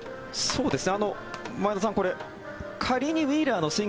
そうですね。